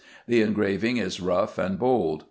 The engraving is rough and bold.